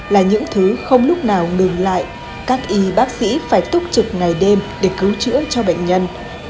là những thứ không lúc nào ngừng lại các y bác sĩ phải túc trực ngày đêm để cứu chữa cho bệnh nhân